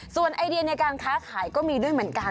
ส่วนไอเดียในการค้าขายก็มีด้วยเหมือนกัน